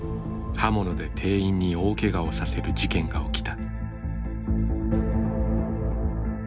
刃物で店員に大けがをさせる事件が起きた。